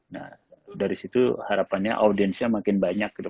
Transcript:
nah dari situ harapannya audiensnya makin banyak gitu